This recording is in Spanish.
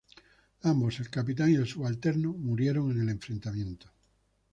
Ambos el capitán y el subalterno murieron en el enfrentamiento.